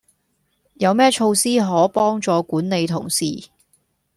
有咩措施可幫助管理同事？